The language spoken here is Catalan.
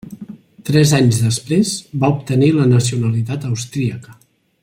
Tres anys després, va obtenir la nacionalitat austríaca.